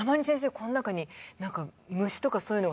この中に何か虫とかそういうのが？